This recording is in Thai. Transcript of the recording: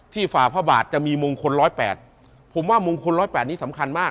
ฝ่าพระบาทจะมีมงคลร้อยแปดผมว่ามงคล๑๐๘นี้สำคัญมาก